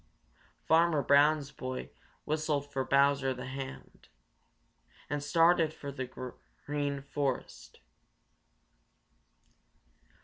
Farmer Brown's boy whistled for Bowser the Hound and started for the Green Forest.